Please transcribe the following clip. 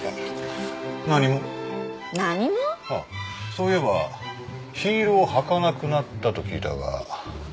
そういえばヒールを履かなくなったと聞いたが。